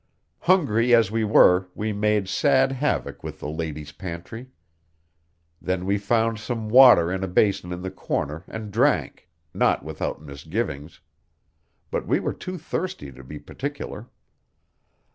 Hungry as we were, we made sad havoc with the lady's pantry. Then we found some water in a basin in the corner and drank not without misgivings. But we were too thirsty to be particular.